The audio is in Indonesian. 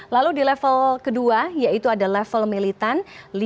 lalu di level kedua yaitu ada level militan